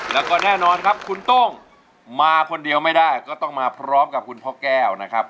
แล้วก็แน่นอนครับคุณโต้งมาคนเดียวไม่ได้ก็ต้องมาพร้อมกับคุณพ่อแก้วนะครับ